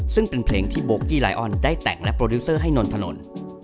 ซึ่งเป็นเพลงที่โบกี้ไลออนได้แต่งและโปรดิวเซอร์ให้นนทนนท์